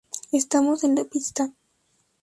Estamos en la pista".